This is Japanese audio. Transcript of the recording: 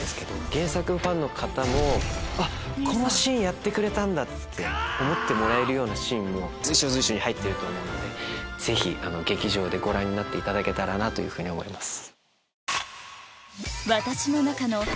原作ファンの方もこのシーンやってくれた！って思ってもらえるようなシーンも随所随所に入ってると思うのでぜひ劇場でご覧いただけたらと思います。